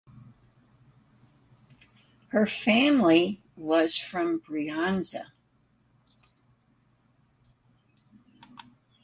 Her family was from Brianza.